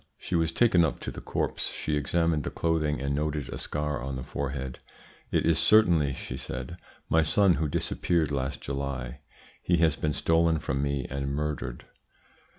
"She was taken up to the corpse; she examined the clothing, and noted a scar on the forehead. `It is certainly,' she said, `my son who disappeared last July. He has been stolen from me and murdered.'